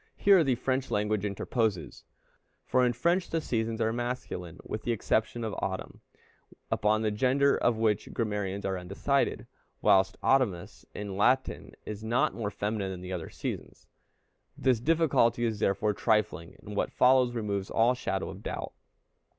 Here the French language interposes; for in French the seasons are masculine, with the exception of autumn, upon the gender of which grammarians are undecided, whilst Autumnus in Latin is not more feminine than the other seasons. This difficulty is therefore trifling, and what follows removes all shadow of doubt.